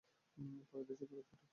পরে দেশে ফেরত পাঠায়।